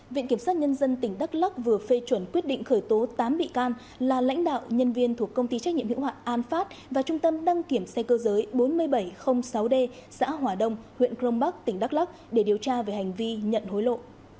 viện kiểm sát nhân dân tỉnh đắk lắc vừa phê chuẩn quyết định khởi tố tám bị can là lãnh đạo nhân viên thuộc công ty trách nhiệm hiệu hoạn an phát và trung tâm đăng kiểm xe cơ giới bốn nghìn bảy trăm linh sáu d xã hòa đông huyện crong bắc tỉnh đắk lắc để điều tra về hành vi nhận hối lộ